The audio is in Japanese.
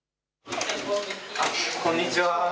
こんにちは。